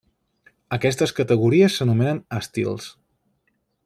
Aquestes categories s'anomenen estils.